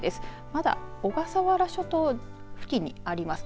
まだ小笠原諸島付近にあります。